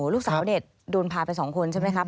ลูกสาวนี่โดนพาไป๒คนใช่ไหมคะ